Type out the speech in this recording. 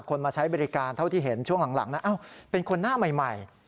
มาใช้บริการเท่าที่เห็นช่วงหลังนะเป็นคนหน้าใหม่